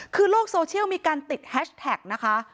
คือโลกโซเชียลมีการติดแฮชแท็กนะคะ